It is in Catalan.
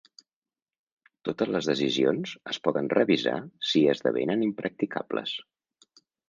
Totes les decisions es poden revisar si esdevenen impracticables.